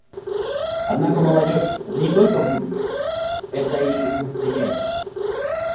Однако молодежь — это не только будущее, это — и настоящее.